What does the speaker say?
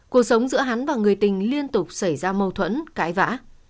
cuộc sống giữa hắn và người tình liên tục xảy ra mâu thuẫn cãi vã